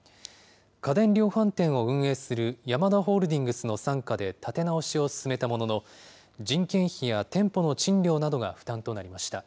家電量販店を運営するヤマダホールディングスの傘下で立て直しを進めたものの、人件費や店舗の賃料などが負担となりました。